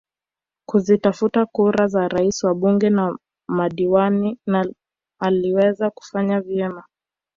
Kuzitafuta kura za Rais wabunge na madiwani na aliweza kufanya vyema